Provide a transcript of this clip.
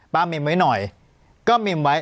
มิมไว้หน่อยก็มิมไว้